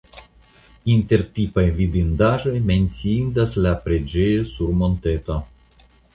Inter tipaj vidindaĵoj menciindas la preĝejo sur monteto.